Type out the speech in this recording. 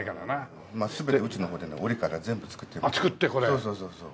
そうそうそうそう。